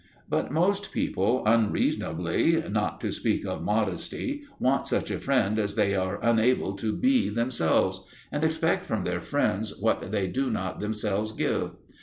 But most people unreasonably, not to speak of modesty, want such a friend as they are unable to be themselves, and expect from their friends what they do not themselves give.